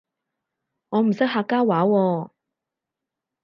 我唔識客家話喎